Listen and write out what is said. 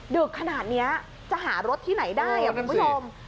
ดึกขนาดนี้จะหารถที่ไหนได้คุณผู้ชม